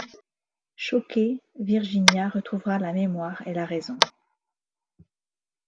Choquée, Virginia retrouvera la mémoire et la raison.